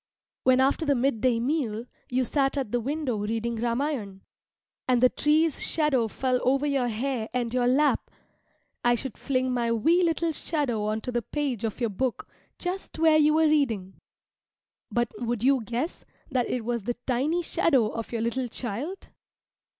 When after the midday meal you sat at the window reading Ramayana, and the tree's shadow fell over your hair and your lap, I should fling my wee little shadow on to the page of your book, just where you were reading. But would you guess that it was the tiny shadow of your little child?